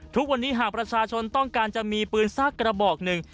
ทุกวันนี้หากประชาชนต้องการจะมีปืนสักกระบอกหนึ่ง